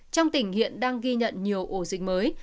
trong tỉnh hiện đang ghi nhận nhiều ổ dịch mới